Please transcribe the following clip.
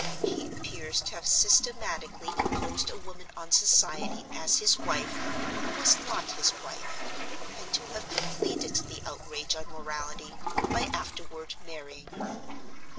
He appears to have systematically imposed a woman on Society as his wife who was not his wife, and to have completed the outrage on morality by afterward marrying her.